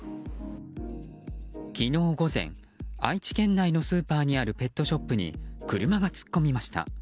昨日午前、愛知県内のスーパーにあるペットショップに車が突っ込みました。